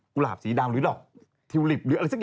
กุหลาบสีดำหรือดอกติวริเปรื่อยสเศษเนี่ย